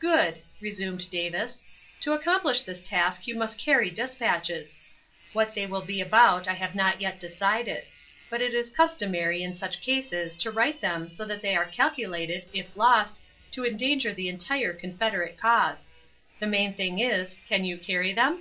"Good!" resumed Davis. "To accomplish this task you must carry despatches. What they will be about I have not yet decided. But it is customary in such cases to write them so that they are calculated, if lost, to endanger the entire Confederate cause. The main thing is, can you carry them?"